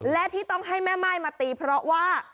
และที่ต้องให้แม่ม่ายมาตีเพราะว่า